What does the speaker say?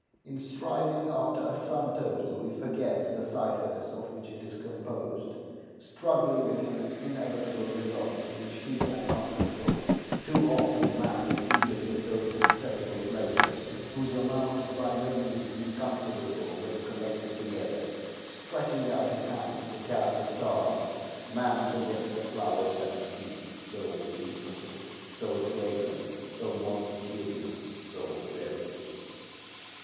In striving after a sum total, we forget the ciphers of which it is composed; struggling against inevitable results which he can not control, too often man is heedless of those accessible pleasures whose amount is by no means inconsiderable when collected together; stretching out his hands to catch the stars, man forgets the flowers at his feet, so beautiful, so fragrant, so multitudinous, so various."